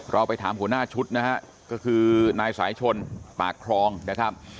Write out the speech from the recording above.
เราไปถามหัวหน้าชุดนะฮะก็คือนายสายชนปากครองนะครับ